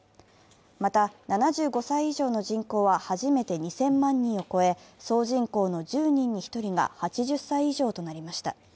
また、７５歳以上の人口は初めて２０００万人を超え、総人口の１０人に１人が８０歳以上となりました。